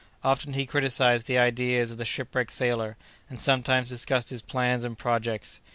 Often he criticised the ideas of the shipwrecked sailor, and sometimes discussed his plans and projects.